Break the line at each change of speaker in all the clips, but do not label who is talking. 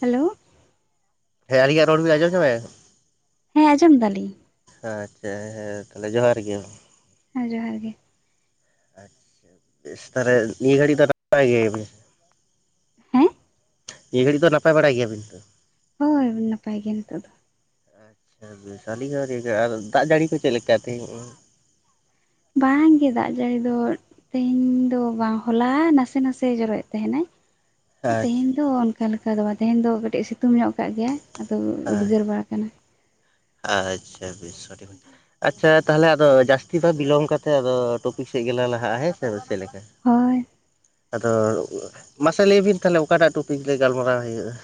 Hello.
ᱦᱮ ᱟᱞᱤᱧᱟ ᱨᱚᱲ ᱟᱡᱚᱢ [inaudible]
ᱦᱮᱸ ᱟᱸᱡᱚᱢ ᱫᱟᱞᱤᱧ᱾
ᱦᱮᱸ ᱟᱪᱪᱷᱟ ᱦᱮᱸ ᱛᱟᱦᱚᱞᱮ ᱡᱚᱦᱟᱨ ᱜᱮ ᱾
ᱦᱮᱸ ᱡᱚᱦᱟᱨ ᱜᱮ᱾
ᱟᱪᱪᱷᱟ ᱵᱮᱥ ᱛᱟᱦᱚᱞᱮ ᱱᱤᱭᱟᱹ ᱜᱷᱟᱹᱲᱤᱡ ᱫᱚ ᱱᱟᱯᱟᱭ ᱜᱮ?
ᱦᱮᱸ
ᱱᱤᱭᱟᱹ ᱜᱷᱟᱹᱲᱤᱡ ᱫᱚ ᱱᱟᱯᱟᱭ ᱵᱟᱲᱟᱭ ᱜᱮᱭᱟᱵᱤᱱ ᱛᱚ?
ᱦᱮᱸ ᱱᱟᱯᱟᱭ ᱜᱮ ᱱᱤᱛᱚᱜ ᱫᱚ᱾
ᱟᱪᱪᱷᱟ ᱵᱮᱥᱟᱞᱤ [unintelligible] ᱟᱨ ᱫᱟᱜ ᱡᱟᱹᱲᱤ ᱠᱚ ᱪᱮᱫ ᱞᱮᱠᱟ?
ᱵᱟᱝᱜᱮ ᱫᱟᱜ ᱡᱟᱹᱲᱤ ᱫᱚ ᱛᱮᱦᱮᱧ ᱫᱚ ᱵᱟᱝ ᱦᱚᱞᱟ ᱱᱟᱥᱮ-ᱱᱟᱥᱮ ᱡᱚᱨᱚᱭᱮᱫ ᱛᱟᱦᱮᱱᱟᱭ᱾
ᱟᱪᱪᱷᱟ
ᱛᱮᱦᱮᱧ ᱫᱚ ᱚᱱᱠᱟ ᱞᱮᱠᱟ ᱫᱚ ᱵᱟᱝ ᱛᱮᱦᱮᱧ ᱫᱚ ᱠᱟᱹᱴᱤᱡ ᱥᱤᱛᱩᱝ ᱧᱚᱜ ᱠᱟᱜ ᱜᱮᱭᱟ ᱟᱫᱚ
ᱦᱮᱸ
ᱩᱫᱽᱜᱟᱹᱨ ᱵᱟᱲᱟ ᱟᱠᱟᱱᱟ᱾
ᱟᱪᱪᱷᱟ ᱵᱮᱥ ᱟᱹᱰᱤ ᱢᱚᱪ ᱟᱪᱷᱟ ᱛᱟᱦᱚᱞᱮ ᱟᱫᱚ ᱡᱟᱹᱥᱛᱤ ᱫᱚ ᱵᱤᱞᱚᱢ ᱠᱟᱛᱮ ᱟᱫᱚ ᱴᱚᱯᱤᱠ ᱥᱮᱫ ᱜᱮᱞᱮ ᱞᱟᱦᱟᱜᱼᱟ, ᱦᱮᱸ ᱥᱮ᱾
ᱦᱳᱭ
ᱟᱫᱚ ᱢᱟᱥᱮ ᱞᱟᱹᱭ ᱵᱤᱱ ᱛᱟᱦᱚᱞᱮ ᱚᱠᱟᱴᱟᱜ ᱴᱩᱯᱤᱠ ᱞᱮ ᱜᱟᱞᱢᱟᱨᱟᱣ ᱦᱩᱭᱩᱜᱼᱟ᱾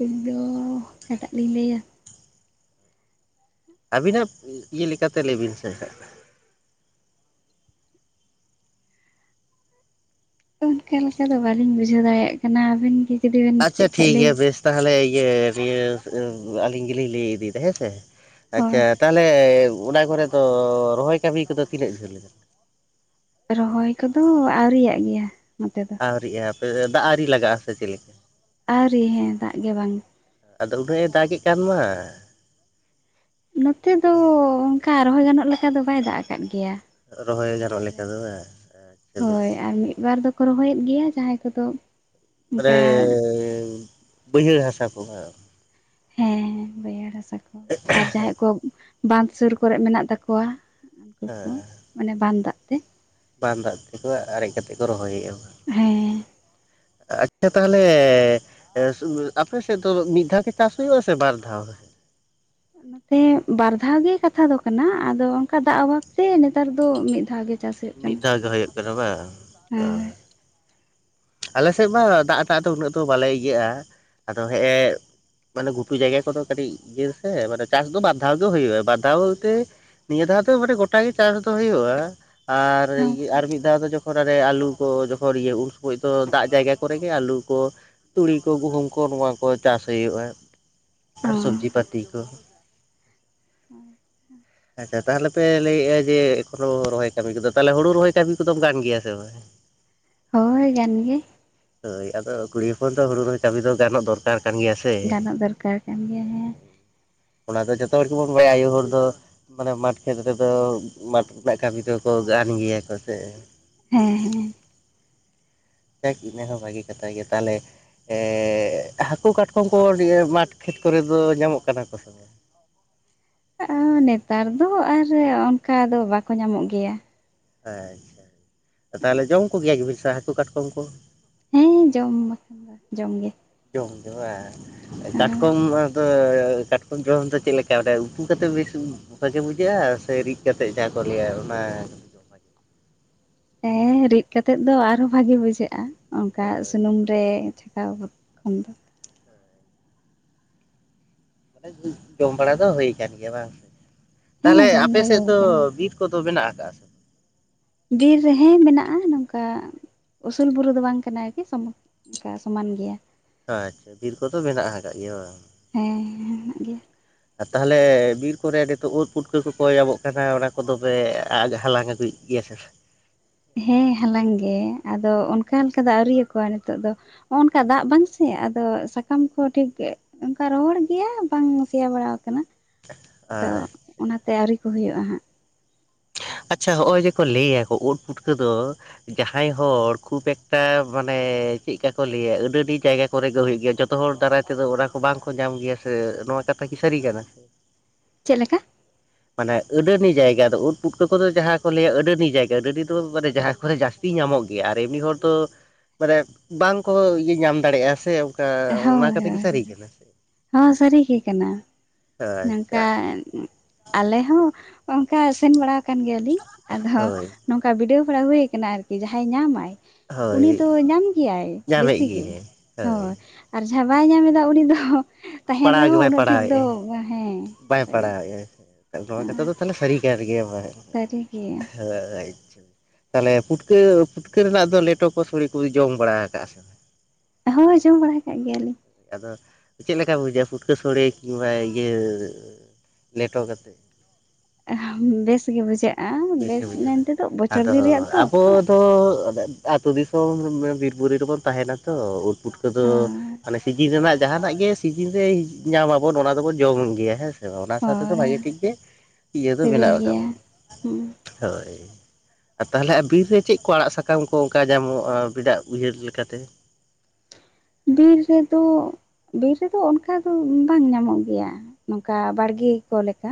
ᱟᱞᱤᱧ ᱫᱚ ᱚᱠᱟᱴᱟᱜ ᱞᱤᱧ ᱞᱟᱹᱭᱟ᱾
ᱟᱹᱵᱤᱱᱟᱜ ᱤᱭᱟᱹ ᱞᱮᱠᱟᱛᱮ ᱞᱟᱹᱭᱵᱤᱱ ᱥᱮ
ᱚᱱᱠᱟ ᱞᱮᱠᱟ ᱫᱚ ᱵᱟᱹᱞᱤᱧ ᱵᱩᱡᱷᱟᱹᱣ ᱫᱟᱲᱮᱭᱟᱜ ᱠᱟᱱᱟ ᱟᱵᱮᱱ ᱜᱮ ᱡᱩᱫᱤ ᱵᱮᱱ
ᱟᱪᱷᱟ
ᱫᱤᱥᱟᱹᱭ ᱠᱷᱟᱡ
ᱴᱷᱤᱠ
ᱞᱟᱹᱭ
ᱜᱮᱭᱟ
ᱵᱤᱱ
ᱵᱮᱥ ᱛᱟᱦᱚᱞᱮ ᱤᱭᱟᱹ ᱤᱭᱟᱹ ᱟᱹᱞᱤᱧ ᱜᱮᱞᱤᱧ ᱞᱟᱹᱭ ᱤᱫᱤᱭᱫᱟ ᱦᱮᱸᱥᱮ ᱟᱪᱷᱟ
ᱦᱳᱭ
ᱟᱞᱮ ᱚᱱᱟ ᱠᱚᱨᱮ ᱫᱚ ᱨᱚᱦᱚᱭ ᱠᱟᱹᱢᱤ ᱠᱚᱫᱚ ᱛᱤᱱᱟᱹᱜ ᱡᱷᱟᱹᱞ ᱢᱮᱱᱟᱜᱼᱟ?
ᱨᱚᱦᱚᱭ ᱠᱚᱫᱚ ᱟᱹᱣᱨᱤᱭᱟᱜ ᱜᱮᱭᱟ ᱱᱚᱛᱮ ᱫᱚ᱾
ᱟᱹᱣᱨᱤᱜᱼᱟ ᱟᱯᱮ ᱫᱟᱜ ᱟᱣᱨᱤ ᱞᱟᱜᱼᱟ ᱥᱮ ᱪᱮᱫ ᱞᱮᱠᱟ?
ᱟᱹᱣᱨᱤ ᱦᱮᱸ ᱫᱟᱜ ᱜᱮ ᱵᱟᱝ
ᱟᱫᱚ ᱩᱱᱟᱹᱜ ᱮ ᱫᱟᱜ ᱮᱫ ᱠᱟᱱ ᱢᱟ?
ᱱᱚᱛᱮ ᱫᱚ ᱚᱱᱠᱟ ᱨᱚᱦᱚᱭ ᱜᱟᱱᱚᱜ ᱞᱮᱠᱟ ᱫᱚ ᱵᱟᱭ ᱫᱟᱜ ᱟᱠᱟᱫ ᱜᱮᱭᱟ᱾
ᱨᱚᱦᱚᱭ ᱜᱟᱱᱚᱜ
ᱟᱨ
ᱞᱮᱠᱟ ᱫᱚ ᱵᱟᱝ ᱟᱪᱪᱷᱟ ᱵᱮᱥ
ᱦᱳᱭ ᱟᱨ ᱢᱤᱫ ᱵᱟᱨ ᱫᱚᱠᱚ ᱨᱚᱦᱚᱭᱮᱫ ᱜᱮᱭᱟ ᱡᱟᱦᱟᱸᱭ ᱠᱚᱫᱚ
ᱢᱟᱱᱮ
ᱚᱱᱠᱟ
ᱵᱟᱹᱭᱦᱟᱹᱲ ᱦᱟᱥᱟ ᱠᱚᱦᱚᱸ᱾
ᱦᱮᱸ ᱵᱟᱹᱭᱦᱟᱹᱲ ᱦᱟᱥᱟ ᱠᱚ᱾ ᱟᱨ ᱡᱟᱦᱟᱸᱭ ᱠᱚ ᱵᱟᱸᱫᱷ ᱥᱩᱨ ᱠᱚᱨᱮ ᱢᱮᱱᱟᱜ ᱛᱟᱠᱚᱣᱟ ᱩᱱᱠᱩ ᱠᱚ ᱢᱟᱱᱮ ᱵᱟᱸᱫᱷ ᱫᱟᱜ ᱛᱮ
ᱵᱟᱸᱫᱷ ᱫᱟᱜ ᱛᱮᱠᱚ ᱟᱨᱮᱡ ᱠᱟᱛᱮᱫ ᱠᱚ ᱨᱚᱦᱚᱭᱮᱫᱼᱟ ᱵᱟᱝ?
ᱦᱮᱸ
ᱟᱪᱷᱟ ᱛᱟᱦᱚᱞᱮ ᱟᱯᱮ ᱥᱮᱫ ᱫᱚ ᱢᱤᱫ ᱫᱷᱟᱣ ᱜᱮ ᱪᱟᱥ ᱦᱩᱭᱩᱜ ᱟ ᱥᱮ ᱵᱟᱨ ᱫᱷᱟᱣ?
ᱱᱚᱛᱮ ᱵᱟᱨ ᱫᱷᱟᱣ ᱜᱮ ᱠᱟᱛᱷᱟ ᱫᱚ ᱠᱟᱱᱟ ᱟᱫᱚ ᱚᱱᱠᱟ ᱫᱟᱜ ᱚᱵᱷᱟᱵᱽ ᱛᱮ ᱱᱮᱛᱟᱨ ᱫᱚ ᱢᱤᱫ ᱫᱷᱟᱣ ᱜᱮ ᱪᱟᱥ ᱦᱩᱭᱩᱜ
ᱢᱤᱫ
ᱠᱟᱱᱟ
ᱫᱷᱟᱣ ᱜᱮ ᱦᱩᱭᱩᱜ ᱠᱟᱱᱟ ᱵᱟᱝ
ᱦᱚᱸ
ᱟᱞᱮ ᱥᱮᱫ ᱢᱟ ᱫᱟᱜᱴᱟᱜ ᱫᱚ ᱩᱱᱟᱹᱜ ᱫᱚ ᱵᱟᱞᱮ ᱤᱭᱟᱹᱜᱼᱟ ᱟᱫᱚ ᱦᱮᱸᱜ ᱮ ᱢᱟᱱᱮ ᱜᱩᱯᱤ ᱡᱟᱭᱜᱟ ᱠᱚᱫᱚ ᱠᱟᱹᱴᱤᱡ ᱤᱭᱟᱹ ᱥᱮ ᱢᱟᱱᱮ ᱪᱟᱥ ᱫᱚ ᱵᱟᱨᱫᱷᱟᱣ ᱜᱮ ᱦᱩᱭᱩᱜ ᱟ ᱵᱟᱨᱫᱷᱟᱣᱛᱮ ᱱᱤᱭᱟᱹ ᱫᱷᱟᱣ ᱫᱚ ᱢᱟᱱᱮ ᱜᱚᱴᱟ ᱜᱮ ᱪᱟᱥ ᱫᱚ ᱦᱳᱭᱳᱜᱼᱟ ᱟᱨ
ᱦᱮᱸ
ᱤ ᱟᱨ ᱢᱤᱫ ᱫᱷᱟᱣ ᱫᱚ ᱡᱚᱠᱷᱚᱱ ᱟᱞᱩ ᱠᱚ ᱡᱚᱠᱷᱚᱱ ᱤᱭᱟᱹ ᱩᱼᱼ ᱚᱠᱚᱭᱛᱚ ᱫᱟᱜ ᱡᱟᱭᱜᱟ ᱠᱚᱨᱮᱜᱮ ᱟᱞᱩ ᱠᱚ ᱛᱩᱲᱤ ᱠᱚ ᱜᱩᱦᱩᱢ ᱠᱚ ᱱᱚᱶᱟ ᱠᱚ ᱪᱟᱥ ᱦᱩᱭᱩᱜᱼᱟ ᱟᱨ ᱥᱚᱵᱽᱡᱤ ᱯᱟᱛᱤ ᱠᱚ
[unintelligible]
[unintelligible] ᱟᱪᱷᱟ ᱛᱟᱦᱚᱞᱮ ᱯᱮ ᱞᱟᱹᱭᱮᱫᱼᱟ ᱡᱮ ᱮᱠᱷᱚᱱᱳ ᱨᱚᱦᱚᱭ ᱠᱟᱹᱢᱤ ᱠᱚᱫᱚ ᱛᱟᱦᱚᱞᱮ ᱦᱩᱲᱩ ᱨᱚᱦᱚᱭ ᱠᱟᱹᱢᱤ ᱠᱚᱫᱚᱢ ᱠᱟᱱ ᱜᱮᱭᱟ ᱥᱮ ᱵᱟᱝ
ᱦᱳ ᱦᱳᱭ ᱠᱟᱱ ᱜᱮ
ᱦᱳᱭ ᱟᱫᱚ ᱠᱩᱲᱤ ᱦᱚᱯᱚᱱ ᱫᱚ ᱦᱩᱲᱩ ᱨᱚᱦᱚᱭ ᱠᱟᱹᱡᱤ ᱫᱚ ᱜᱟᱱᱚᱜ ᱫᱚᱨᱠᱟᱨ ᱠᱟᱱ ᱜᱮᱭᱟ ᱥᱮ
ᱜᱟᱱᱚᱜ ᱫᱚᱨᱠᱟᱨ ᱠᱟᱱ ᱜᱮᱭᱟ ᱦᱮᱸ
ᱚᱱᱟ ᱫᱚ ᱡᱚᱛᱚ ᱦᱚᱲ ᱜᱮᱵᱚᱱ ᱵᱟᱜᱟᱭᱟ ᱟᱭᱩ ᱦᱚᱲ ᱫᱚ ᱢᱟᱱᱮ ᱢᱟᱴᱷ ᱠᱷᱮᱛ ᱨᱮᱫᱚ ᱢᱟᱴᱷ ᱨᱮᱱᱟᱜ ᱠᱟᱹᱢᱤ ᱫᱚᱠᱚ ᱜᱟᱱ ᱜᱮᱭᱟ ᱠᱚ ᱥᱮ
ᱦᱮᱸ ᱦᱮᱸ
[inaudible] ᱤᱱᱟᱹ ᱦᱚᱸ ᱵᱷᱟᱜᱤ ᱠᱟᱛᱷᱟ ᱜᱮ ᱛᱟᱦᱚᱞᱮ ᱮᱸ ᱦᱟᱹᱠᱩ ᱠᱟᱴᱠᱚᱢ ᱠᱚ ᱱᱤᱭᱟᱹ ᱢᱟᱴ ᱠᱷᱮᱛ ᱠᱚᱨᱮ ᱫᱚ ᱧᱟᱢᱚᱜ ᱠᱟᱱᱟ ᱠᱚ ᱥᱮ ᱵᱟᱝ?
ᱟᱺ ᱱᱮᱛᱟᱨ ᱫᱚ ᱟᱨ ᱚᱱᱠᱟ ᱫᱚ ᱵᱟᱠᱚ ᱧᱟᱢᱚᱜ ᱜᱮᱭᱟ
ᱟ ᱟᱪᱷᱟ ᱛᱟᱦᱚᱞᱮ ᱡᱚᱢ ᱠᱚᱜᱮᱭᱟ ᱜᱮᱵᱤᱱ ᱥᱮ ᱦᱟᱹᱠᱩ ᱠᱟᱴᱠᱚᱢ ᱠᱚ?
ᱦᱮᱸ ᱡᱚᱢ ᱵᱟᱠᱷᱟᱱ ᱫᱚ ᱡᱚᱢ ᱜᱮ᱾
ᱡᱚᱢ ᱜᱮ ᱵᱟᱸ
ᱦᱳᱭ
ᱠᱟᱴᱠᱚᱢ ᱟᱹ ᱫᱚ ᱠᱟᱴᱠᱚᱢ ᱡᱚᱢ ᱫᱚ ᱪᱮᱫ ᱞᱮᱠᱟ ᱩᱛᱩ ᱠᱟᱛᱮᱫ ᱵᱮᱥᱼᱼ [inaudible] ᱜᱮ ᱵᱩᱡᱷᱟᱹᱜᱼᱟ ᱥᱮ ᱨᱤᱫ ᱠᱟᱛᱮ ᱡᱟᱦᱟᱸ ᱠᱚ ᱞᱟᱹᱭᱟ ᱚᱱᱟ
ᱦᱮᱸ ᱨᱤᱫ ᱠᱟᱛᱮᱜ ᱫᱚ ᱟᱨᱦᱚᱸ ᱵᱷᱟᱜᱤ ᱵᱩᱡᱷᱟᱹᱜᱼᱟ ᱚᱱᱠᱟ
ᱦᱳᱭ
ᱥᱩᱱᱩᱢ ᱨᱮᱼᱼ [unintelligible]
ᱡᱚᱢ ᱵᱟᱲᱟ ᱫᱚ ᱦᱩᱭ ᱟᱠᱟᱱ ᱜᱮᱭᱟ ᱵᱟᱝ ᱥᱮ ᱛᱟᱦᱞᱮ
ᱦᱮᱸ ᱡᱚᱢ
ᱟᱯᱮ ᱥᱮᱫ
ᱦᱩᱭ
ᱫᱚ
ᱟᱠᱟᱱ
ᱵᱤᱼᱼ ᱠᱚᱫᱚ ᱢᱮᱱᱟᱜ ᱟᱠᱟᱫ ᱥᱮ?
ᱵᱤᱨ ᱨᱮ ᱦᱮᱸ ᱢᱮᱱᱟᱜᱼᱟ ᱱᱚᱝᱠᱟ ᱩᱥᱩᱞ ᱵᱩᱨᱩ ᱫᱚ ᱵᱟᱝ ᱠᱟᱱᱟ ᱟᱨᱠᱤ ᱥᱚᱢᱚᱼᱼ [inaudible] ᱥᱚᱢᱟᱱ ᱜᱮᱭᱟ
ᱟᱪᱪᱷᱟ ᱵᱤᱨ ᱠᱚᱫᱚ ᱢᱮᱱᱟᱜ ᱦᱟᱠᱟᱫ ᱜᱮᱭᱟ ᱵᱟᱝ?
ᱦᱮᱸ ᱦᱮᱸ ᱢᱮᱱᱟᱜ ᱜᱮᱭᱟ᱾
ᱟᱨ ᱛᱟᱦᱚᱞᱮ ᱵᱤᱨ ᱠᱚᱨᱮ ᱱᱤᱛᱚᱜ ᱩᱫ ᱯᱩᱴᱠᱟᱹ ᱠᱚᱠᱚ ᱧᱟᱢᱚᱜ ᱠᱟᱱᱟ ᱚᱱᱟ ᱠᱚᱫᱚ ᱯᱮ ᱦᱟᱞᱟᱝ ᱟᱹᱜᱩᱭᱼᱼ [unintelligible]
ᱦᱮᱸ ᱦᱟᱞᱟᱝ ᱜᱮ ᱟᱫᱚ ᱚᱱᱠᱟᱱ ᱠᱚᱫᱚ ᱟᱹᱣᱨᱤᱭᱟ ᱠᱚᱣᱟ ᱱᱤᱛᱚᱜ ᱫᱚ ᱱᱚᱜ ᱱᱚᱝᱠᱟ ᱫᱟᱜ ᱵᱟᱝ ᱥᱮ ᱟᱫᱚ ᱥᱟᱠᱟᱢ ᱠᱚ ᱴᱷᱤᱠ ᱚᱱᱠᱟ ᱨᱚᱦᱚᱲ ᱜᱮᱭᱟ ᱵᱟᱝ ᱥᱮᱭᱟ ᱵᱟᱲᱟ ᱟᱠᱟᱱᱟ᱾ ᱫᱚ
ᱟᱪ
ᱚᱱᱟᱛᱮ ᱟᱹᱣᱨᱤ ᱠᱚ ᱦᱩᱭᱩᱜᱼᱟ ᱦᱟᱸᱜ
ᱟᱪᱷᱟ ᱦᱚᱜᱼᱚᱭ ᱡᱮᱠᱚ ᱞᱟᱹᱭᱟᱠᱚ ᱩᱫ ᱯᱩᱴᱠᱟᱹ ᱫᱚ ᱡᱟᱦᱟᱸᱭ ᱦᱚᱲ ᱠᱷᱩᱵ ᱮᱠᱴᱟ ᱢᱟᱱᱮ ᱪᱮᱫᱠᱟ ᱠᱚ ᱞᱟᱹᱭᱟ ᱟᱹᱰᱤ ᱟᱹᱰᱤ ᱡᱟᱭᱜᱟ ᱠᱚᱨᱮ ᱜᱮ ᱦᱩᱭᱩᱜ ᱜᱮᱭᱟ ᱡᱚᱛᱚ ᱦᱚᱲ ᱫᱟᱨᱟᱭ ᱛᱮᱫᱚ ᱚᱱᱟ ᱠᱚ ᱵᱟᱝ ᱠᱚ ᱧᱟᱢ ᱜᱮᱭᱟ ᱥᱮ ᱱᱚᱣᱟ ᱠᱟᱛᱷᱟ ᱠᱤ ᱥᱟᱹᱨᱤ ᱠᱟᱱᱟ?
ᱪᱮᱫ ᱞᱮᱠᱟ?
ᱢᱟᱱᱮ ᱟᱹᱰᱟᱹᱱᱤ ᱡᱟᱭᱜᱟ ᱫᱚ ᱩᱫ ᱯᱩᱴᱠᱟᱹ ᱠᱚᱫᱚ ᱡᱟᱦᱟᱸ ᱠᱚ ᱞᱟᱹᱭᱟ ᱟᱹᱰᱟᱹᱱᱤ ᱡᱟᱭᱜᱟ ᱟᱹᱰᱟᱹᱱᱤ ᱫᱚ ᱢᱟᱱᱮ ᱡᱟᱦᱟᱸ ᱠᱚᱨᱮ ᱡᱟᱥᱼᱼ [unintelligible] ᱧᱟᱢᱚᱜ ᱜᱮᱭᱟ ᱟᱨ ᱮᱢᱱᱤ ᱦᱚᱲ ᱫᱚ ᱢᱟᱱᱮ ᱵᱟᱝ ᱠᱚ ᱤᱭᱟᱹ ᱧᱟᱢ ᱫᱟᱲᱮᱭᱟᱜᱼᱟ ᱥᱮ᱾ ᱚᱱᱟ
ᱦᱳᱭ
ᱠᱟᱛᱮ ᱜᱮ
ᱦᱳᱭ
ᱥᱟᱹᱨᱤ ᱠᱟᱱᱟ
ᱦᱚᱸ ᱥᱟᱹᱨᱤ ᱜᱮ ᱠᱟᱱᱟ
ᱟᱪᱪᱷᱟ
ᱱᱚᱝᱠᱟ ᱟᱞᱮ ᱦᱚᱸ ᱚᱱᱠᱟ ᱥᱮᱱ ᱵᱟᱲᱟ ᱚᱠᱟᱱ ᱜᱮᱭᱟᱞᱤᱧ ᱟᱫᱚ
ᱦᱳᱭ
ᱱᱚᱝᱠᱟ ᱵᱤᱰᱟᱹᱣ ᱵᱟᱲᱟ ᱦᱩᱭ ᱟᱠᱟᱱᱟ ᱟᱨᱠᱤ ᱡᱟᱦᱟᱸᱭ ᱧᱟᱢᱟᱭ
ᱦᱳᱭ
ᱩᱱᱤ ᱫᱚ ᱧᱟᱢ ᱜᱮᱭᱟᱭ
ᱧᱟᱢᱮᱫ
ᱵᱮᱥᱤ ᱜᱮ
ᱜᱮᱭᱟᱹᱧ
ᱦᱳᱭ ᱟᱨ ᱡᱟᱦᱟᱸ ᱵᱟᱭ ᱧᱟᱢ ᱮᱫᱟ ᱩᱱᱤ ᱫᱚ ᱛᱟᱦᱮᱱ
ᱯᱟᱲᱟᱣ ᱜᱮ
ᱨᱮᱦᱚᱸ
ᱵᱟᱭ
ᱩᱱᱟᱹᱜ ᱴᱷᱤᱠ ᱫᱚ
ᱯᱟᱲᱟᱣᱮᱫᱼᱟᱭ
ᱦᱮᱸ
ᱵᱟᱭ ᱯᱟᱲᱟᱣᱮᱫᱟᱭ ᱱᱚᱣᱟ ᱠᱟᱛᱷᱟ ᱫᱚ ᱛᱟᱦᱚᱞᱮ ᱥᱟᱹᱨᱤ ᱠᱟᱱ ᱜᱮᱭᱟ [inaudible]
ᱥᱟᱹᱨᱤ ᱜᱮ
ᱟᱪᱷᱟ ᱛᱟᱦᱚᱞᱮ ᱯᱩᱴᱠᱟᱹ ᱯᱩᱴᱠᱟᱹ ᱨᱮᱱᱟᱜ ᱫᱚ ᱞᱮᱴᱚ ᱠᱚ ᱥᱚᱲᱮ ᱠᱚ ᱡᱚᱢ ᱵᱟᱲᱟ ᱟᱠᱟ ᱥᱮ ᱵᱟᱝ
ᱦᱚᱸ ᱡᱚᱢ ᱵᱟᱲᱟ ᱟᱠᱟᱫ ᱜᱮᱭᱟᱞᱤᱧ
ᱟᱫᱚ ᱪᱮᱫ ᱞᱮᱠᱟ ᱵᱩᱡᱷᱟᱹᱜ ᱯᱷᱩᱴᱠᱟᱹ ᱥᱚᱲᱮ ᱠᱤᱢᱵᱟ ᱤᱭᱟᱹ ᱞᱮᱴᱚ ᱠᱟᱛᱮᱫ
ᱵᱮᱥ ᱜᱮ ᱵᱩᱡᱷᱟᱹᱜᱼᱟ
ᱵᱮᱥᱜᱮ
ᱵᱮᱥ ᱢᱮᱱᱛᱮ ᱫᱚ ᱵᱚᱪᱷᱚᱨ ᱫᱤᱱ ᱨᱮᱭᱟᱜ ᱛᱚ
ᱛᱚ ᱟᱹᱛᱩ ᱫᱤᱥᱚᱢ ᱵᱤᱨ ᱵᱩᱨᱩ ᱨᱮᱵᱚᱱ ᱛᱟᱦᱮᱱᱟ ᱛᱚ ᱯᱩᱴᱠᱟᱹ ᱫᱚ ᱢᱟᱱᱮ ᱥᱤᱡᱤᱱ ᱨᱮᱱᱟᱜ ᱡᱟᱦᱟᱱᱟᱜ ᱜᱮ ᱥᱤᱡᱤᱱ ᱨᱮ ᱧᱟᱢ ᱟᱵᱚᱱ ᱚᱱᱟ ᱫᱚᱵᱚᱱ ᱡᱚᱢ ᱜᱮᱭᱟ ᱦᱮᱸ ᱥᱮ ᱚᱱᱟ ᱥᱟᱶ ᱛᱮ ᱫᱚ
ᱦᱳᱭ
ᱵᱷᱟᱜᱮ ᱴᱷᱤᱠ ᱜᱮ ᱤᱭᱟᱹ ᱫᱚ
ᱥᱤᱵᱤᱞ
ᱵᱮᱱᱟᱣ
ᱜᱮᱭᱟ
ᱟᱠᱟᱱᱟ
ᱦᱩᱸ
ᱦᱳᱭ ᱟᱨ ᱛᱟᱦᱚᱞᱮ ᱟᱨ ᱵᱤᱨ ᱨᱮ ᱪᱮᱫ ᱠᱚ ᱟᱲᱟᱜ ᱥᱟᱠᱟᱢ ᱠᱚ ᱚᱱᱠᱟ ᱧᱟᱢᱚᱜᱼᱟ [unintelligible] ᱩᱭᱦᱟᱹᱨ ᱞᱮᱠᱟᱛᱮ
ᱵᱤᱨ ᱨᱮᱫᱚ ᱵᱤᱨ ᱨᱮᱫᱚ ᱚᱱᱠᱟ ᱫᱚ ᱵᱟᱝ ᱧᱟᱢᱚᱜ ᱜᱮᱭᱟ ᱱᱚᱝᱠᱟ ᱵᱟᱲᱜᱮ ᱠᱚ ᱞᱮᱠᱟ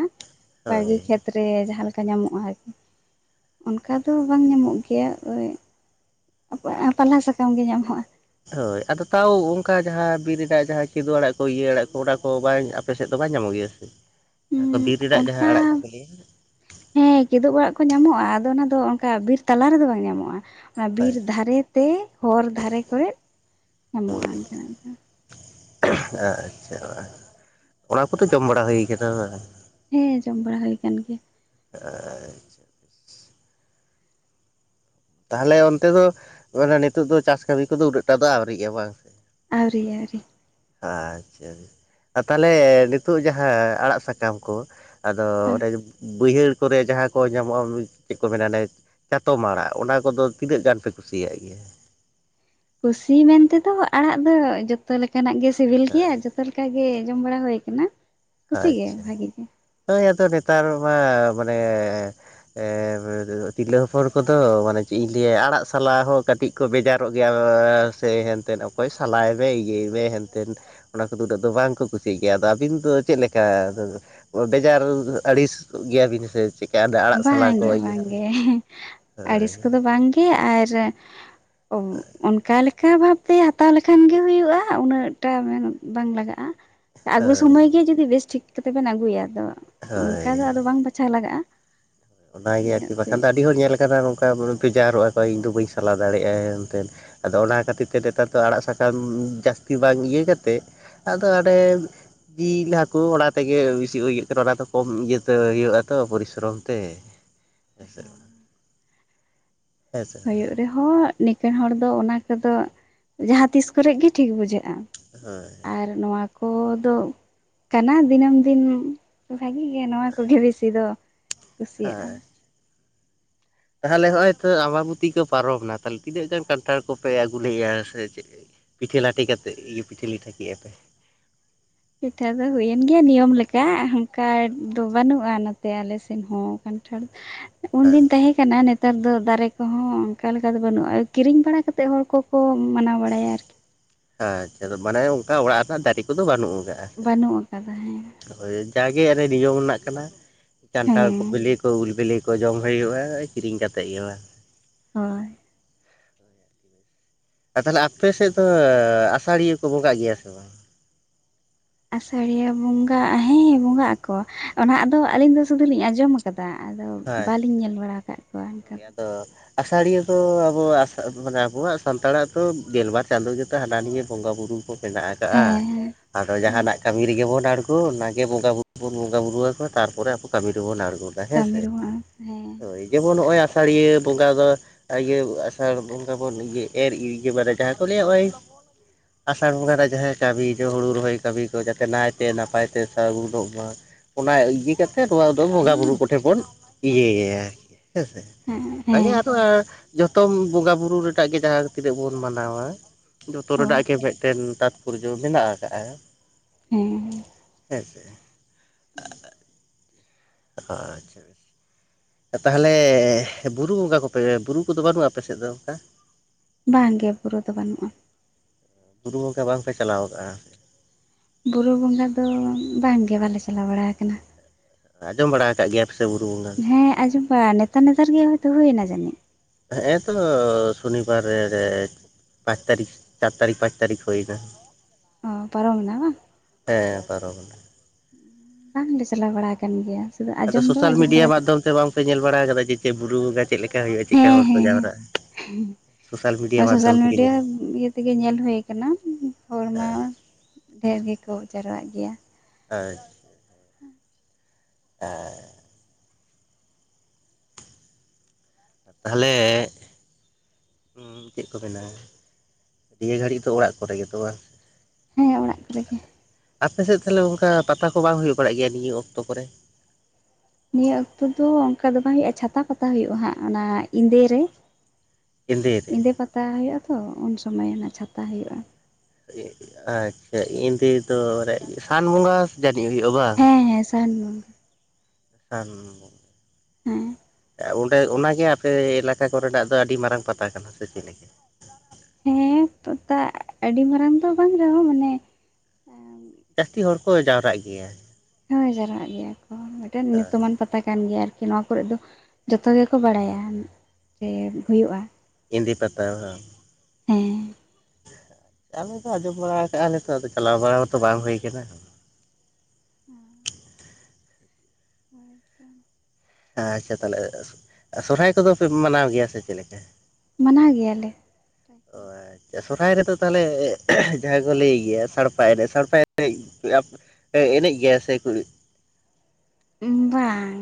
ᱦᱳᱭ
[unintelligible] [inaudible] ᱠᱷᱮᱛ ᱨᱮ ᱡᱟᱦᱟᱸ ᱞᱮᱠᱟ ᱧᱟᱢᱚᱜᱼᱟ ᱚᱱᱠᱟ ᱫᱚ ᱵᱟᱝ ᱧᱟᱢᱚᱜ ᱜᱮᱭᱟ ᱯᱟᱞᱦᱟ ᱥᱟᱠᱟᱢ ᱜᱮ ᱧᱟᱢᱚᱜᱼᱟ
ᱦᱳᱭ ᱟᱫᱚ ᱛᱟᱣ ᱚᱱᱠᱟ ᱡᱟᱦᱟᱸ ᱵᱤᱨ ᱨᱮᱱᱟᱜ ᱡᱟᱦᱟᱸ ᱠᱮᱫᱳ ᱟᱲᱟᱜ ᱠᱚ ᱤᱭᱟᱹ ᱟᱲᱟᱜ ᱠᱚ ᱚᱱᱟ ᱠᱚ ᱵᱟᱝ ᱟᱯᱮ ᱥᱮᱫ ᱫᱚ ᱵᱟᱝ ᱧᱟᱢᱚᱜ ᱜᱮᱭᱟ [unintelligible] ᱵᱤᱨ ᱨᱮᱱᱟᱜ ᱡᱟᱦᱟᱸ
ᱚᱱᱠᱟ
ᱟᱲᱟᱜ ᱠᱚᱠᱚ ᱞᱟᱹᱭᱟ
ᱦᱮᱸ ᱠᱤᱫᱳ ᱚᱲᱟᱜ ᱠᱚ ᱧᱟᱢᱚᱜᱼᱟ ᱟᱫᱚ ᱚᱱᱟ ᱫᱚ ᱚᱱᱠᱟ ᱵᱤᱨ ᱛᱟᱞᱟ ᱨᱮᱫᱚ ᱵᱟᱝ ᱧᱟᱢᱚᱜᱼᱟ ᱵᱤᱨ
ᱦᱳᱭ
ᱫᱷᱟᱨᱮ ᱛᱮ ᱦᱚᱨ ᱫᱷᱟᱨᱮ ᱠᱚᱨᱮ ᱧᱟᱢᱚᱜᱼᱟ
ᱦᱳᱭ
[unintelligible]
ᱟᱪᱪᱷᱟ ᱚᱱᱟ ᱠᱚᱫᱚ ᱡᱚᱢ ᱵᱟᱲᱟ ᱦᱩᱭ ᱠᱟᱱᱟ ᱵᱟᱝ
ᱦᱮᱸ ᱡᱚᱢ ᱵᱟᱲᱟ ᱦᱩᱭ ᱟᱠᱟᱱ ᱜᱮᱭᱟ
ᱪ [unintelligible] ᱛᱟᱦᱚᱞᱮ ᱚᱱᱛᱮ ᱫᱚ ᱱᱤᱛᱳᱜ ᱫᱚ ᱪᱟᱥ ᱠᱟᱹᱢᱤ ᱠᱚᱫᱚ ᱩᱱᱟᱹᱜ ᱴᱟ ᱫᱚ ᱟᱹᱣᱨᱤᱜᱼᱟ ᱵᱟᱝ ᱥᱮ
ᱟᱹᱣᱨᱤ ᱟᱹᱣᱨᱤ
ᱟᱪᱪᱷᱟ ᱟᱨ ᱛᱟᱦᱞᱮ ᱱᱤᱛᱚᱜ ᱡᱟᱦᱟᱸ ᱟᱲᱟᱜ ᱥᱟᱠᱟᱢ ᱠᱚ ᱟᱫᱚ ᱵᱟᱹᱲᱦᱟᱹᱲ ᱠᱚᱨᱮ ᱡᱟᱦᱟᱸ ᱠᱚ ᱧᱟᱢᱚᱜᱼᱟ ᱪᱮᱫ ᱠᱚ ᱢᱮᱱᱟ ᱚᱱᱮ ᱪᱟᱛᱚᱢ ᱟᱲᱟᱜ ᱚᱱᱟ ᱠᱚᱫᱚ ᱛᱤᱱᱟᱹᱜ ᱜᱟᱱ ᱯᱮ ᱠᱩᱥᱤᱭᱟᱜ ᱜᱮᱭᱟ
ᱠᱩᱥᱤ ᱢᱮᱱᱛᱮᱫᱚ ᱟᱲᱟᱜ ᱫᱚ ᱡᱚᱛᱚ ᱞᱮᱠᱟᱱᱟᱜ ᱜᱮ ᱥᱤᱵᱤᱞ ᱜᱮᱭᱟ ᱡᱚᱛᱚ ᱞᱮᱠᱟ ᱜᱮ ᱡᱚᱢ ᱵᱟᱲᱟ ᱦᱳᱭ ᱟᱠᱟᱱᱟ ᱠᱩᱥᱤ ᱜᱮ
ᱟᱪᱪᱷᱟ
ᱵᱷᱟᱜᱤ ᱜᱮ
ᱱᱚᱜ ᱳᱭ ᱟᱫᱚ ᱱᱮᱛᱟᱨ ᱢᱟ ᱢᱟᱱᱮ ᱛᱤᱨᱞᱟᱹ ᱦᱚᱯᱚᱱ ᱠᱚᱫᱚ ᱢᱟᱱᱮ ᱪᱮᱫ ᱤᱧ ᱞᱟᱹᱭᱟ ᱟᱲᱟᱜ ᱥᱟᱞ ᱦᱚᱸ ᱠᱟᱹᱴᱤᱡ ᱠᱚ ᱵᱮᱡᱟᱨᱚᱜ ᱜᱮᱭᱟ ᱥᱮ ᱦᱮᱱᱛᱮᱫ ᱚᱠᱚᱭ ᱥᱟᱞᱟᱭᱫᱟᱭ ᱤᱭᱟᱹᱭ ᱦᱮᱱᱛᱮᱱ ᱚᱱᱟ ᱠᱚᱫᱚ ᱩᱱᱟᱹᱜ ᱫᱚ ᱵᱟᱝ ᱠᱚ ᱠᱩᱥᱤᱜ ᱜᱮᱭᱟ ᱟᱫᱚ ᱟᱹᱵᱤᱱ ᱫᱚ ᱪᱮᱫ ᱞᱮᱠᱟ ᱵᱮᱡᱟᱨ ᱟᱹᱲᱤᱥ ᱜᱮᱭᱟᱵᱤᱱ ᱥᱮ ᱪᱮᱫ?
ᱵᱟᱝᱜᱮ ᱵᱟᱝᱜᱮ
ᱦᱳᱭ
ᱟᱹᱲᱤᱥ ᱠᱚᱫᱚ ᱵᱟᱝᱜᱮ ᱟᱨ ᱚᱱᱠᱟ ᱞᱮᱠ ᱚᱱᱠᱟ ᱵᱷᱟᱵᱽᱛᱮ ᱦᱟᱛᱟᱣ ᱞᱮᱠᱷᱟᱱ ᱜᱮ ᱦᱩᱭᱩᱜᱼᱟ ᱩᱱᱟᱹᱜ ᱴᱟ ᱢᱮᱱ ᱵᱟᱝ ᱞᱟᱜᱟᱜᱼᱟ ᱟᱹᱜᱩ
ᱦᱳᱭ
ᱥᱚᱢᱚᱭ ᱜᱮ ᱡᱩᱫᱤ ᱵᱮᱥ ᱴᱷᱤᱠ ᱠᱟᱛᱮ ᱵᱚᱱ ᱟᱹᱜᱩᱭᱟ ᱟᱫᱚ ᱚᱱᱠᱟ ᱫᱚ
ᱦᱳᱭ
ᱟᱫᱚ ᱵᱟᱝ ᱵᱟᱪᱷᱟᱣ ᱞᱟᱜᱟᱜᱼᱟ
ᱚᱱᱟᱜᱮ ᱟᱨᱠᱤ
ᱤᱱᱟᱹᱛᱮ
ᱵᱟᱠᱷᱟᱱ ᱫᱚ ᱟᱹᱰᱤ ᱦᱚᱲ ᱧᱮᱞ ᱟᱠᱟᱱᱟ ᱱᱚᱝᱠᱟ ᱵᱮᱡᱟᱨᱚᱜ ᱟᱠᱚ ᱤᱧᱫᱚ ᱵᱟᱹᱧ ᱥᱟᱞᱟ ᱫᱟᱲᱮᱭᱟᱜᱼᱟ ᱦᱮᱱᱛᱮᱱ ᱟᱫᱚ ᱚᱱᱟ ᱠᱷᱟᱹᱛᱤᱨ ᱛᱮ ᱱᱮᱛᱟᱨ ᱫᱚ ᱟᱲᱟᱜ ᱥᱟᱠᱟᱢ ᱡᱟᱹᱥᱛᱤ ᱵᱟᱝ ᱤᱭᱟᱹ ᱠᱟᱛᱮᱫ ᱟᱫᱚ ᱟᱰᱮ [unintelligible] ᱡᱤᱞ ᱦᱟᱹᱠᱩ ᱚᱱᱟ ᱛᱮᱜᱮ ᱵᱮᱥᱤ ᱠᱟᱱᱟ ᱚᱱᱟ ᱫᱚ ᱠᱚᱢ ᱤᱭᱟᱹᱛᱮ ᱦᱩᱭᱩᱜᱼᱟ ᱛᱚ ᱯᱚᱨᱤᱥᱨᱚᱢ ᱛᱮ ᱮᱥᱮ
ᱦᱩᱭᱩᱜ ᱨᱮᱦᱚᱸ ᱱᱤᱠᱟᱹᱱ ᱦᱚᱲ ᱫᱚ ᱚᱱᱟ ᱠᱚᱫᱚ ᱡᱟᱦᱟᱸ ᱛᱤᱥ ᱠᱚᱨᱮ ᱜᱮ ᱴᱷᱤᱠ ᱵᱩᱡᱷᱟᱹᱜᱼᱟ
ᱦᱮᱸ
ᱟᱨ ᱱᱚᱶᱟ ᱠᱚ ᱫᱚ ᱠᱟᱱᱟ ᱫᱤᱱᱟᱹᱢ ᱫᱤᱱ ᱵᱷᱟᱜᱤ ᱜᱮ ᱱᱚᱣᱟ ᱠᱚᱜᱮ ᱵᱮᱥᱤ ᱫᱚ ᱠᱩᱥᱤᱭᱟᱜᱼᱟ
ᱛᱟᱦᱞᱮ ᱦᱚᱸᱜᱼᱚᱭ ᱛᱚ ᱟᱢᱵᱚᱛᱤ ᱠᱚ ᱯᱟᱨᱚᱢᱮᱱᱟ ᱛᱟᱦᱞᱮ ᱛᱤᱱᱟᱹᱜ ᱜᱟᱱ ᱠᱟᱱᱴᱷᱟᱲ ᱠᱚᱯᱮ ᱟᱹᱜᱩ ᱞᱮᱫᱼᱟ ᱥᱮ ᱪᱮᱫ? ᱯᱤᱴᱷᱟᱹ ᱞᱟᱟᱹᱴᱷᱮ ᱠᱟᱛᱮᱫ ᱤᱭᱟᱹ ᱯᱤᱴᱷᱟᱹ ᱞᱤᱴᱷᱟᱹ ᱠᱮᱜ-ᱟ ᱯᱮ
ᱯᱤᱴᱷᱟᱹ ᱫᱚ ᱦᱩᱭᱮᱱ ᱜᱮᱭᱟ ᱱᱤᱭᱚᱢ ᱞᱮᱠᱟ ᱚᱱᱠᱟ ᱫᱚ ᱵᱟᱹᱱᱩᱜᱼᱟ ᱱᱚᱛᱮ ᱟᱞᱮ ᱥᱮᱫ ᱦᱚᱸ ᱠᱟᱱᱴᱷᱟᱲ ᱫᱚ᱾
[inaudible]
ᱩᱱᱫᱤᱱ ᱛᱟᱦᱮᱸ ᱠᱟᱱᱟ ᱱᱮᱛᱟᱨ ᱫᱚ ᱫᱟᱨᱮ ᱠᱚᱦᱚᱸ ᱚᱱᱠᱟ ᱞᱮᱠᱟ ᱫᱚ ᱵᱟᱹᱱᱩᱜᱼᱟ ᱠᱤᱨᱤᱧ ᱵᱟᱲᱟ ᱠᱟᱛᱮᱫ ᱦᱚᱲ ᱠᱚᱠᱚ ᱢᱟᱱᱟᱣ ᱵᱟᱲᱟᱭᱟ ᱟᱨᱠᱤ
ᱟᱪᱪᱷᱟ ᱢᱟᱱᱮ ᱚᱝᱠᱟ ᱚᱲᱟᱜ ᱨᱮᱱᱟᱜ ᱫᱟᱨᱮ ᱠᱚᱫᱚ ᱵᱟᱹᱱᱩᱜ ᱟᱠᱟᱜ
ᱵᱟᱹᱱᱩᱜ ᱟᱠᱟᱫᱟ ᱦᱮᱸ
ᱦᱳᱭ ᱡᱟᱜᱮ ᱟᱨ ᱱᱤᱭᱚᱢ ᱨᱮᱱᱟᱜ ᱠᱟᱱᱟ ᱠᱟᱱᱴᱷᱟᱲ
ᱦᱮᱸ
ᱠᱚ ᱵᱤᱞᱤ ᱠᱚ ᱩᱞ ᱵᱤᱞᱤ ᱠᱚ ᱠᱚ ᱡᱚᱢ ᱦᱩᱭᱩᱜᱼᱟ ᱠᱤᱨᱤᱧ ᱠᱟ ᱠᱟᱛᱮᱫ ᱜᱮ ᱵᱟᱝ
ᱦᱳᱭ
ᱟᱨ ᱛᱟᱞᱦᱮ ᱟᱯᱮ ᱥᱮᱫ ᱫᱚ ᱟᱥᱟᱲᱤᱭᱟᱹ ᱠᱚ ᱵᱚᱸᱜᱟᱜ ᱜᱮᱭᱟ ᱥᱮ ᱵᱟᱝ
ᱟᱥᱟᱲᱤᱭᱟᱹ ᱵᱚᱸᱜᱟ ᱦᱮᱸ ᱵᱚᱸᱜᱟᱟᱜ ᱟᱠᱚ ᱚᱱᱟ ᱟᱫᱚ ᱟᱹᱞᱤᱧ ᱫᱚ ᱥᱩᱫᱩ ᱞᱤᱧ ᱟᱸᱡᱚᱢ ᱟᱠᱟ ᱠᱟᱫᱟ ᱟᱫᱚ ᱵᱟᱹᱞᱤᱧ ᱧᱮᱞ ᱵᱟᱲᱟ ᱟᱠᱟᱫ ᱠᱚᱣᱟ ᱮᱠᱷᱟᱱ
ᱚ ᱟᱥᱟᱲᱤᱭᱟᱹ ᱫᱚ ᱟᱵᱚ ᱟᱥ ᱢᱟᱱᱮ ᱟᱵᱚᱣᱟᱜ ᱥᱟᱱᱛᱟᱲᱟᱜ ᱫᱚ ᱜᱮᱞᱵᱟᱨ ᱪᱟᱸᱫᱳ ᱜᱮᱛᱚ ᱦᱟᱱᱟ ᱱᱤᱭᱟᱹ ᱵᱚᱸᱜᱟ ᱵᱩᱨᱩ ᱠᱚ ᱢᱮᱱᱟᱜ ᱟᱠᱟᱟᱜᱼᱟ
ᱦᱮᱸ
ᱟᱫᱚ
ᱦᱮᱸ
ᱡᱟᱦᱟᱱᱟᱜ ᱠᱟᱹᱢᱤ ᱨᱮᱜᱮ ᱵᱚᱱ ᱟᱬᱜᱳᱱ ᱚᱱᱟᱜᱮ ᱵᱚᱸᱜᱟ ᱵᱩᱨᱩ ᱵᱚᱱ ᱵᱚᱸᱜᱟ ᱵᱩᱨᱩ ᱟᱠᱚᱣᱟ ᱛᱟᱨᱯᱚᱨᱮ ᱟᱵᱚ ᱠᱟᱹᱢᱤ ᱨᱮᱵᱚᱱ ᱟᱬᱜᱚᱱᱟ
ᱠᱟᱹᱢᱤ
ᱦᱮᱸᱥᱮ
ᱨᱮᱦᱚᱸ ᱦᱮᱸ
ᱦᱳᱭ ᱡᱮᱢᱚᱱ ᱱᱚᱜᱼᱚᱭ ᱟᱥᱟᱲᱤᱭᱟᱹ ᱵᱚᱸᱜᱟ ᱫᱚ ᱟᱨ ᱤᱭᱟᱹ ᱟᱥᱟᱲ ᱵᱚᱸᱜᱟ ᱵᱚᱱ ᱮᱨ ᱤᱛᱟᱹ ᱢᱟᱱᱮ ᱡᱟᱦᱟᱸ ᱠᱚ ᱞᱟᱹᱭᱟ ᱱᱚᱜ-ᱚᱭ ᱟᱥᱟᱲ ᱵᱚᱸᱜᱟ ᱨᱮᱭᱟᱜ ᱡᱟᱦᱟᱸᱭ ᱠᱟᱹᱢᱤ ᱡᱮ ᱦᱩᱲᱩ ᱨᱚᱦᱚᱭ ᱠᱟᱹᱢᱤ ᱠᱚ ᱡᱟᱛᱮ ᱱᱟᱭᱛᱮ ᱱᱟᱯᱟᱭᱛᱮ ᱥᱟᱜᱩᱱᱚᱜ ᱢᱟ ᱚᱱᱟ ᱤᱭᱟᱹ ᱠᱟ ᱠᱟᱛᱮᱫ ᱱᱚᱣᱟ ᱫᱚ ᱵᱚᱸᱜᱟ ᱵᱩᱨᱩ ᱠᱚᱴᱷᱮᱱ ᱵᱚᱱ ᱤᱭᱟᱹᱭᱟ ᱦᱮᱸᱥᱮ
ᱦᱮᱸ
ᱟᱫᱚ
ᱦᱮᱸ
ᱚᱱᱟ ᱡᱚᱛᱚᱢ ᱵᱚᱸᱜᱟ ᱵᱩᱨᱩ ᱨᱮᱱᱟᱜ ᱜᱮ ᱡᱟᱦᱟᱸ ᱛᱤᱱᱟᱹᱜ ᱵᱚᱱ ᱢᱟᱱᱟᱶᱟ ᱡᱚᱛᱚ
ᱦᱮᱸ
ᱨᱮᱱᱟᱜ ᱜᱮ ᱢᱮᱫ ᱴᱮᱱ ᱛᱟᱸᱛᱯᱚᱨᱡᱚ ᱢᱮᱱᱟᱜ ᱟᱠᱟᱟᱜᱼᱟ
ᱦᱮᱸ
ᱦᱮᱸ ᱥᱮ
[inaudible]
ᱟᱪᱷᱟ-ᱪᱷᱟ ᱟᱨ ᱛᱟᱦᱞᱮ ᱵᱩᱨᱩ ᱵᱚᱸᱜᱟ ᱠᱚᱯᱮ ᱵᱩᱨᱩ ᱠᱚᱫᱚ ᱵᱟᱹᱱᱩᱜᱼᱟ ᱟᱯᱮ ᱥᱮᱫ ᱫᱚ ᱚᱱᱠᱟ?
ᱵᱟᱝ ᱜᱮ ᱵᱩᱨᱩ ᱫᱚ ᱵᱟᱹᱱᱩᱜᱼᱟ
ᱵᱩᱨᱩ ᱵᱚᱸᱜᱟ ᱵᱟᱝᱯᱮ ᱪᱟᱞᱟᱣ ᱟᱠᱟᱜᱼᱟ
ᱵᱩᱨᱩ ᱵᱚᱸᱜᱟ ᱫᱚ ᱵᱟᱝᱜᱮ ᱵᱟᱞᱮ ᱪᱟᱞᱟᱣ ᱵᱟᱲᱟ ᱟᱠᱟᱱᱟ
ᱟᱸᱡᱚᱢ ᱵᱟᱲᱟ ᱟᱠᱟᱫ ᱜᱮᱭᱟ ᱥᱮ ᱵᱩᱨᱩ ᱵᱚᱸᱜᱟ
ᱦᱮᱸ ᱟᱸᱡᱚᱢ ᱵᱟᱲᱟ ᱱᱮᱛᱟᱨ ᱱᱮᱛᱟᱨ ᱜᱮ ᱦᱚᱭᱛᱳ ᱦᱩᱭᱮᱱᱟ ᱡᱟᱹᱱᱤᱡ
ᱦᱮᱸᱜ-ᱮ ᱛᱚ ᱥᱚᱱᱤᱵᱟᱨ ᱨᱮ ᱯᱟᱸᱪ ᱛᱟᱨᱤᱠᱷ ᱪᱟᱨ ᱛᱟᱨᱤᱠᱷ ᱯᱟᱸᱪ ᱛᱟᱨᱤᱠᱷ ᱦᱩᱭᱱᱟ
ᱚ ᱯᱟᱨᱚᱢᱮᱱᱟ ᱵᱟᱝ
ᱦᱮᱸ ᱯᱟᱨᱚᱢᱮᱱᱟ᱾
ᱵᱟᱝᱞᱮ ᱪᱟᱞᱟᱣ ᱵᱟᱲᱟ ᱠᱟᱱ ᱜᱮᱭᱟ ᱥᱩᱫᱷᱩ
ᱟᱫᱚ
ᱟᱸᱡᱚᱢ ᱫᱚ
ᱥᱳᱥᱟᱞ
ᱟᱸᱡᱚᱢ
ᱢᱤᱰᱤᱭᱟ
ᱵᱟᱲᱟ ᱠᱟᱜ
ᱢᱟᱫᱽᱫᱷᱚᱢ ᱛᱮ ᱵᱟᱝ ᱯᱮ ᱧᱮᱞ ᱵᱟᱲᱟ ᱠᱟᱫᱟ ᱡᱮ ᱪᱮ ᱵᱩᱨᱩ ᱵᱚᱸᱜᱟ ᱪᱮᱫ ᱞᱮᱠᱟ ᱦᱩᱭᱩᱜᱼᱟ? ᱪᱮᱫᱠᱟ
ᱦᱮᱸ
ᱦᱚᱲ ᱠᱚ
ᱦᱮᱸ ᱦᱮᱸ
ᱡᱟᱮᱨᱟᱜ-ᱟ?
[inaudible] ᱥᱳᱥᱟᱞ ᱢᱤᱰᱤᱭᱟ ᱤᱭᱟᱹ ᱛᱮᱜᱮ ᱧᱮᱞ ᱦᱩᱭᱩ ᱠᱟᱱᱟ ᱦᱚᱲᱢᱟ ᱰᱷᱮᱨ ᱜᱮᱠᱚ ᱡᱟᱨᱣᱟᱜ ᱜᱮᱭᱟ
[unintelligible]
ᱦᱮᱸ
ᱦᱮᱸᱻ ᱛᱟᱦᱞᱮ ᱩᱸ, ᱪᱮᱫ ᱠᱚ ᱢᱮᱱᱟ ᱱᱤᱭᱟᱹ ᱜᱷᱟᱹᱲᱤᱡ ᱫᱚ ᱚᱲᱟᱜ ᱠᱚᱨᱮ ᱜᱮ ᱛᱚ ᱵᱟᱝ
ᱦᱮᱸ ᱚᱲᱟᱜ ᱠᱚᱨᱮᱜᱮ
ᱟᱯᱮ ᱥᱮᱫ ᱛᱟᱞᱦᱮ ᱚᱝᱠᱟ ᱯᱟᱛᱟ ᱠᱚ ᱵᱟᱝ ᱦᱩᱭ ᱵᱟᱲᱟᱜ ᱜᱮᱭᱟ ᱱᱤᱭᱟᱹ ᱚᱠᱛᱚ ᱠᱚᱨᱮ
ᱱᱤᱭᱟᱹ ᱚᱠᱛᱚ ᱫᱚ ᱚᱝᱠᱟ ᱫᱚ ᱵᱟᱝ ᱦᱩᱭᱩᱜᱼᱟ ᱪᱷᱟᱛᱟ ᱯᱟᱛᱟ ᱦᱩᱭᱩᱜᱼᱟ ᱦᱟᱸᱜ ᱚᱱᱟ ᱮᱸᱫᱮ ᱨᱮ
ᱮᱸᱫᱮ ᱨᱮ
ᱮᱸᱫᱮᱸ ᱯᱟᱛᱟ ᱦᱩᱭᱩᱜᱼᱟ ᱛᱚ ᱩᱱ ᱥᱚᱢᱚᱭ ᱚᱱᱟ ᱪᱷᱟᱛᱟ ᱦᱩᱭᱩᱜᱼᱟ
ᱟᱪᱪᱷᱟ ᱮᱸᱫᱮ ᱫᱚ ᱨᱮ ᱥᱟᱱ ᱵᱚᱸᱜᱟ ᱡᱟᱹᱱᱤᱡ ᱦᱩᱭᱩᱜᱼᱟ ᱵᱟᱝ,
ᱦᱮᱸ ᱦᱮᱸ ᱥᱟᱱ ᱵᱚᱸᱜᱟ
ᱥᱟᱱ ᱵᱚᱸᱜᱟ
ᱦᱮᱸ
ᱚᱸᱰᱮ ᱚᱱᱟᱜᱮ ᱟᱯᱮ ᱮᱞᱟᱠᱟ ᱠᱚᱨᱮᱱᱟᱜ ᱫᱚ ᱟᱹᱰᱤ ᱢᱟᱨᱟᱝ ᱯᱟᱛᱟ ᱠᱟᱱᱟ ᱥᱮ ᱪᱮᱫ ᱞᱮᱠᱟ
ᱦᱮᱸᱛᱚ ᱛᱟ ᱟᱹᱰᱤ ᱢᱟᱨᱟᱝ ᱫᱚ ᱵᱟᱝ ᱨᱮᱦᱚᱸ ᱢᱟᱱᱮ ᱦᱳᱭ
ᱡᱟᱹᱥᱛᱤ ᱦᱚᱲ ᱠᱚ ᱡᱟᱣᱨᱟᱜ ᱜᱮᱭᱟ
ᱦᱳᱭ ᱡᱟᱨᱣᱟᱜ ᱜᱮᱭᱟ ᱠᱚ ᱢᱤᱫᱴᱮᱱ ᱧᱩᱛᱩᱢᱟᱱ ᱯᱟᱛ ᱛᱟ ᱠᱟᱱ ᱜᱮᱭᱟ ᱟᱨᱠᱤ ᱱᱚᱣᱟ ᱠᱚᱨᱮ ᱫᱚ ᱡᱚᱛᱚ ᱜᱮᱠᱚ ᱵᱟᱲᱟᱭᱟ ᱡᱮ ᱦᱩᱭᱩᱜᱼᱟ
ᱮᱸᱫᱮᱸ ᱯᱟᱛᱟ ᱣᱟᱝ
ᱦᱮᱸ
ᱟᱞᱮ ᱫᱚ ᱟᱸᱡᱚᱢ ᱵᱟᱲᱟ ᱠᱟᱜᱼᱟ ᱞᱮᱛᱚ ᱟᱫᱚ ᱪᱟᱞᱟᱣ ᱵᱟᱲᱟ ᱢᱟᱛᱚ ᱵᱟᱝ ᱦᱩᱭ ᱟᱠᱟᱱᱟ
ᱦᱮᱸ ᱦᱳᱭ ᱛᱚ
ᱟᱪᱷᱟ ᱛᱟᱦᱚᱞᱮ ᱥᱚᱨᱦᱟᱭ ᱠᱚᱫᱚ ᱯᱮ ᱢᱟᱱᱟᱣ ᱜᱮᱭᱟ ᱥᱮ ᱪᱮᱫ ᱞᱮᱠᱟ?.
ᱢᱟᱱᱟᱣ ᱜᱮᱭᱟ ᱞᱮ
ᱚ ᱟᱪᱪᱷᱟ ᱥᱚᱨᱦᱟᱭ ᱨᱮᱫᱚ ᱛᱟᱦᱚᱞᱮ ᱡᱟᱦᱟᱸᱭ ᱠᱚ ᱞᱟᱹᱭ ᱜᱮᱭᱟ ᱥᱟᱲᱯᱟ ᱮᱱᱮᱡ ᱥᱟᱲᱯᱟ ᱮᱱᱮᱡ ᱜᱮᱭᱟᱯᱮ ᱮᱱᱮᱡ ᱜᱮᱟᱭ ᱥᱮ ᱠᱲᱩᱤ
ᱵᱟᱝ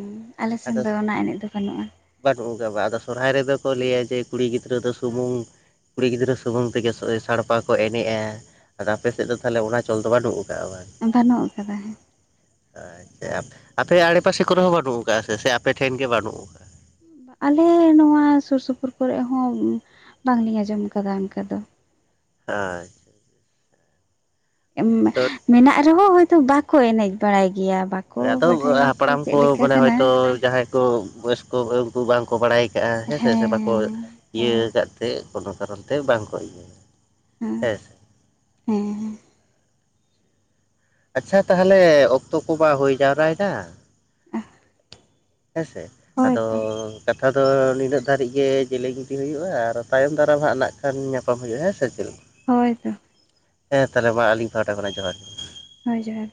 ᱟᱞᱮ ᱥᱮᱱ
ᱟᱫᱚ
ᱫᱚ ᱚᱱᱟ ᱮᱱᱮᱡ ᱫᱚ ᱵᱟᱹᱱᱩᱜᱼᱟ
ᱵᱟᱹᱱᱩᱜ ᱟᱠᱟᱫᱟ ᱵᱟ ᱟᱫᱚ ᱥᱚᱨᱦᱟᱭ ᱨᱮᱫᱚ ᱠᱚ ᱞᱟᱹᱭᱟ ᱡᱮ ᱠᱩᱲᱤ ᱜᱤᱫᱽᱨᱟᱹ ᱫᱚ ᱥᱩᱢᱩᱝ ᱠᱩᱲᱤ ᱜᱤᱫᱽᱨᱟᱹ ᱥᱩᱢᱩᱝ ᱛᱮᱜᱮ ᱥᱟᱲᱯᱟ ᱠᱚ ᱮᱱᱮᱡᱼᱟ ᱟᱨ ᱟᱯᱮ ᱥᱮᱫ ᱫᱚ ᱛᱟᱦᱚᱞᱮ ᱚᱱᱟ ᱪᱚᱞ ᱫᱚ ᱵᱟᱹᱱᱩᱜ ᱟᱠᱟᱫᱼᱟ ᱵᱟ
ᱵᱟᱹᱱᱩᱜ ᱟᱠᱟᱫᱟ
ᱟᱪᱪᱷᱟ ᱟᱯᱮ ᱟᱲᱮᱯᱟᱥᱮ ᱠᱚᱨᱮ ᱦᱚᱸ ᱵᱟᱹᱱᱩᱜ ᱠᱟᱜ ᱥᱮ ᱥᱮ ᱟᱯᱮ ᱴᱷᱮᱱ ᱜᱮ ᱵᱟᱹᱱᱩᱜ ᱟᱠᱟᱜᱼᱟ
ᱟᱞᱮ ᱱᱚᱣᱟ ᱥᱩᱨ ᱥᱩᱯᱩᱨ ᱠᱚᱨᱮ ᱦᱚᱸ ᱵᱟᱝ ᱞᱤᱧ ᱟᱸᱡᱚᱢ ᱟᱠᱟᱫᱟ ᱚᱱᱠᱟ ᱫᱚ
[unintelligible] ᱛᱚ
ᱢᱮᱱᱟᱜ ᱨᱮᱦᱚᱸ ᱦᱚᱭᱛᱳ ᱵᱟᱠᱚ ᱮᱱᱮᱡ ᱵᱟᱲᱟᱭ ᱜᱮᱭᱟ ᱵᱟᱠ
ᱦᱮᱸ ᱟᱫᱚ ᱦᱟᱯᱲᱟᱢ ᱠᱚ ᱢᱟᱱᱮ ᱦᱚᱭᱛᱳ ᱡᱟᱦᱟᱸᱭ ᱵᱚᱭᱚᱥᱠᱚ ᱩᱱᱠᱩ ᱵᱟᱝᱠᱚ ᱵᱟᱲᱟᱭ ᱠᱟᱜᱼᱟ ᱦᱮᱸ ᱥᱮ ᱥᱮ ᱵᱟᱠᱚ
ᱦᱮᱸ
ᱤᱭᱟᱹ
ᱦᱳᱭ
ᱟᱠᱟᱫ ᱛᱮ ᱠᱳᱱᱳ ᱠᱟᱨᱚᱱ ᱛᱮ ᱵᱟᱝ ᱠᱚ ᱤᱭᱟᱹ ᱦᱮᱸ ᱥᱮ
ᱦᱮᱸ
ᱟᱪᱪᱷᱟ ᱛᱟᱦᱚᱞᱮ ᱚᱠᱛᱚ ᱠᱚ ᱵᱟᱝ ᱦᱩᱭ ᱡᱟᱣᱨᱟᱭᱮᱱᱟ ᱦᱮᱸ ᱥᱮ ᱟᱫᱚᱻ
ᱦᱳᱭᱛᱚ
ᱠᱟᱛᱷᱟ ᱫᱚ ᱱᱤᱱᱟᱹᱜ ᱫᱷᱟᱹᱨᱤᱡ ᱜᱮ ᱠᱟᱛᱷᱟ ᱫᱚ ᱤᱧᱟᱹᱜ ᱫᱷᱟᱨᱤᱜ ᱜᱮ ᱡᱮᱞᱮᱧ ᱤᱫᱤ ᱦᱩᱭᱩᱜᱼᱟ ᱟᱨ ᱛᱟᱭᱚᱢ ᱫᱟᱨᱟᱢ ᱦᱟᱸᱜ ᱱᱟᱜ ᱠᱷᱟᱱ ᱧᱟᱯᱟᱢ ᱦᱩᱭᱩᱜ ᱟ ᱦᱩᱭᱩᱜᱼᱟ, ᱦᱮᱸ ᱥᱮ ᱪᱮᱫ ᱞᱮᱠᱟ?
ᱦᱳᱭ ᱛᱚ
ᱦᱮᱸ ᱛᱟᱦᱚᱞᱮ ᱟᱞᱤᱧ ᱯᱟᱦᱴᱟ ᱠᱷᱚᱱᱟᱜ ᱡᱚᱦᱟᱨ ᱜᱮ᱾
ᱦᱳᱭ ᱡᱚᱦᱟᱨ